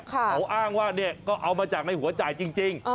เขาอ้างว่าก็เอามาจากในหัวจ่ายจริง